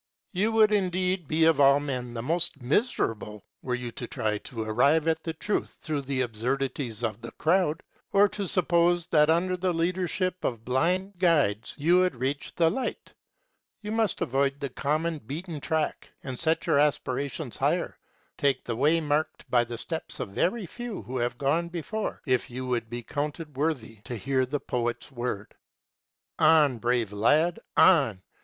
_ You would indeed be of all men the most miserable were you to try to arrive at the truth through the absurdities of the crowd, or to suppose that under the leadership of blind guides you would reach the light. You must avoid the common beaten track and set your aspirations higher; take the way marked by the steps of very few who have gone before, if you would be counted worthy to hear the Poet's word "On, brave lad, on!